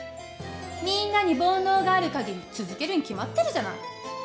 みんなに煩悩があるかぎり続けるに決まってるじゃない。